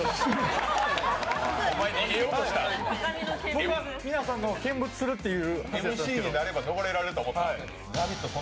僕は皆さんのを見物するっていう。